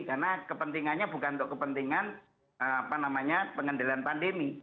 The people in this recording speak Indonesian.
karena kepentingannya bukan untuk kepentingan pengendalian pandemi